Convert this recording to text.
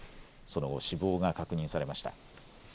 その後、死亡が確認されました。